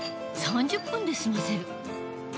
３０分で済ませる。